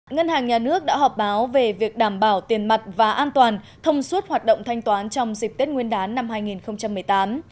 ngân hàng nhà nước đã họp báo về việc đảm bảo tiền mặt và an toàn thông suốt hoạt động thanh toán trong dịp tết nguyên đán năm hai nghìn một mươi tám